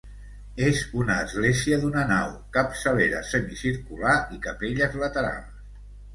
És una església d'una nau, capçalera semicircular i capelles laterals.